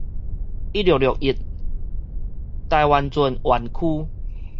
一六六一臺灣船園區